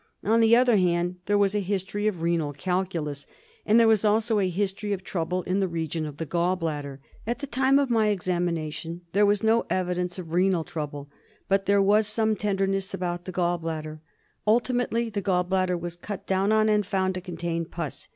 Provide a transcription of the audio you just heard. On the other hand there was a history of renal calculus, and there was also a history of trouble in the region of the gall bladder. At the time of my examination there was no evidence of renal trouble, but there was some tenderness about the gall bladder. Ultimately the gall bladder was cut down on and found to contain pus.